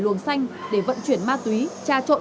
luồng xanh để vận chuyển ma túy trà trộn